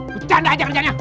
bercanda aja kerjanya